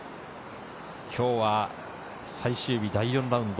今日は最終日第４ラウンド。